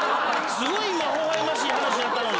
すごい微笑ましい話やったのに。